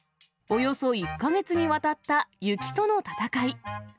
およそ１か月にわたった雪との戦い。